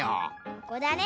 ここだね！